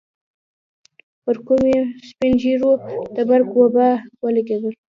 پر قومي سپين ږيرو د مرګ وبا ولګېدله.